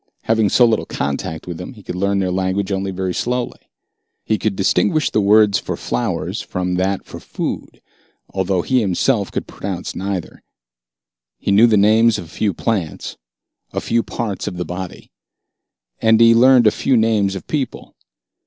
Having so little contact with them, he could learn their language only very slowly. He could distinguish the word for flowers from that for food, although he himself could pronounce neither. He knew the names of a few plants, a few parts of the body. And he learned a few names of people.